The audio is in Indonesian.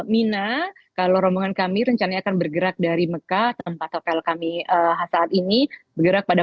mina kalau rombongan kami rencana akan bergerak dari mekah tempat hotel kami saat ini bergerak pada